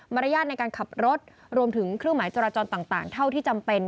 รยาทในการขับรถรวมถึงเครื่องหมายจราจรต่างเท่าที่จำเป็น